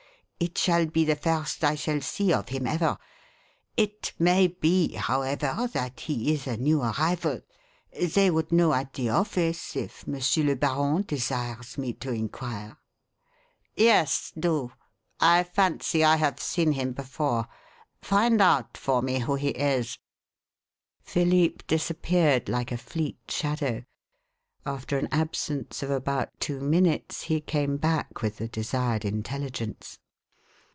It shall be the first I shall see of him ever. It may be, however, that he is a new arrival. They would know at the office, if Monsieur le Baron desires me to inquire." "Yes do. I fancy I have seen him before. Find out for me who he is." Philippe disappeared like a fleet shadow. After an absence of about two minutes, he came back with the desired intelligence.